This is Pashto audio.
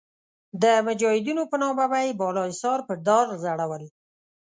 د مجاهدینو په نامه به یې بالاحصار په دار ځړول.